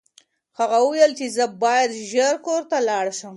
هغه وویل چې زه باید ژر کور ته لاړ شم.